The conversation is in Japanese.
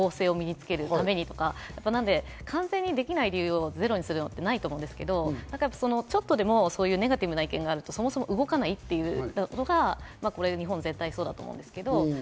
できない理由を並べるのって簡単で、選ぶ指向性を身につけるためにとか、完全にできない理由をゼロにするのってないと思うんですけど、ちょっとでもネガティブな意見があると、そもそも動かないというのが日本全体そうだと思うんですけど。